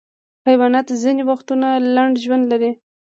حیوانات ځینې وختونه لنډ ژوند لري.